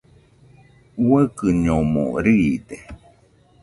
Uaikɨñomo riide.